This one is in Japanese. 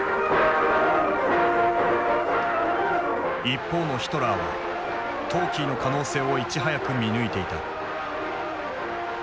一方のヒトラーはトーキーの可能性をいち早く見抜いていた。